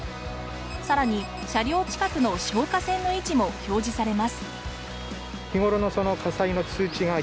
さらに車両近くの消火栓の位置も表示されます。